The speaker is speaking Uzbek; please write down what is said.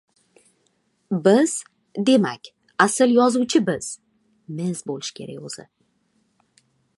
Biz! Demak, asl yozuvchi biz!